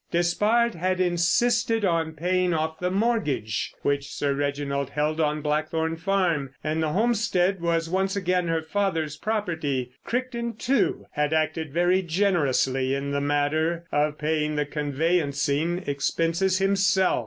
Despard had insisted on paying off the mortgage which Sir Reginald held on Blackthorn Farm, and the homestead was once again her father's property. Crichton, too, had acted very generously in the matter of paying the conveyancing expenses himself.